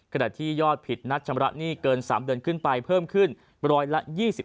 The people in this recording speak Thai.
ขณะที่ยอดผิดนัดชำระหนี้เกิน๓เดือนขึ้นไปเพิ่มขึ้นร้อยละ๒๕